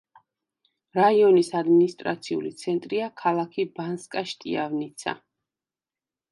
რაიონის ადმინისტრაციული ცენტრია ქალაქი ბანსკა-შტიავნიცა.